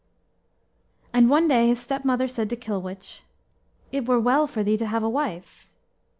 And one day his stepmother said to Kilwich, "It were well for thee to have a wife."